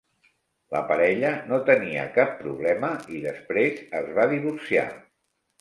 La parella no tenia cap problema i després es va divorciar.